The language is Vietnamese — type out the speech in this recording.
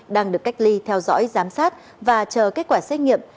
đang được cách ly theo dõi giám sát và chờ kết quả xét nghiệm